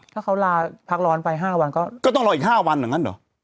ถ้าเขาลาพักร้อนไปห้าวันก็ก็ต้องรออีกห้าวันเหมือนกันเหรอ